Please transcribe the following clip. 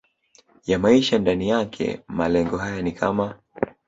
ya maisha ndani yake Malengo haya ni kama